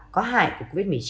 có hại của covid một mươi chín